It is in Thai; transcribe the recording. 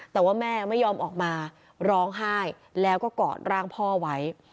แต่ว่าแม่ไม่ยอมออกมาร้องไห้แล้วก็กอดร่างพ่อไว้